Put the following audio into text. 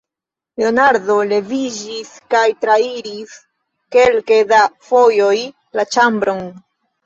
Leonardo leviĝis kaj trairis kelke da fojoj la ĉambron.